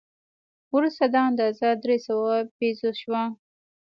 وروسته دا اندازه درې سوه پیزو شوه.